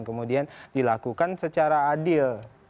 kemudian dilakukan secara adil